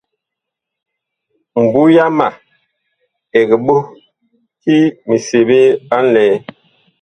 Mbu yama ɛg ɓoh ki miseɓe a nlɛɛ.